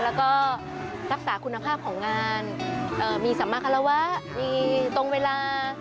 แล้วก็รักษาคุณภาพของงานมีสัมมาคารวะมีตรงเวลา